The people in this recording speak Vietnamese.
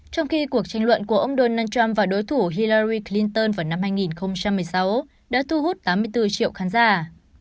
trong khi cuộc tranh luận của ông donald trump và đối thủ hillari clinton vào năm hai nghìn một mươi sáu đã thu hút tám mươi bốn triệu khán giả